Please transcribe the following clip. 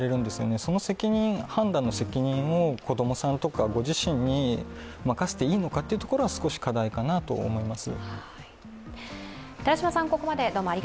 その判断の責任を子供さんご自身に任せていいのかというのは少し課題かなと思います。